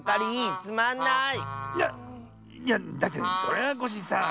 いやいやだってそれはコッシーさあ。